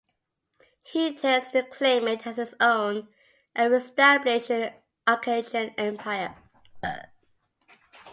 He intends to claim it as his own, and reestablish the Arakacian empire.